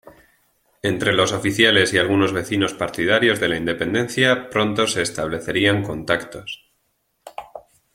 Entre los oficiales y algunos vecinos partidarios de la independencia pronto se establecerían contactos.